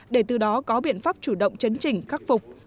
để từ đó có biện pháp chủ động chấn trình khắc phục